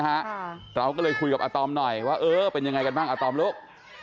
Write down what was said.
เราก็เลยคุยกับอาตอมหน่อยว่าเออเป็นยังไงกันบ้างอาตอมลูก